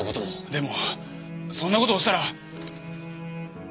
でもそんな事をしたら。